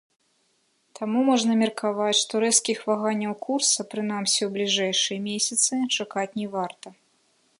Таму можна меркаваць, што рэзкіх ваганняў курса, прынамсі ў бліжэйшыя месяцы, чакаць не варта.